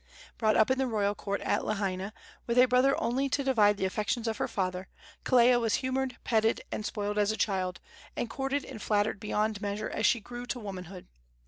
Brought up in the royal court at Lahaina, with a brother only to divide the affections of her father, Kelea was humored, petted and spoiled as a child, and courted and flattered beyond measure as she grew to womanhood.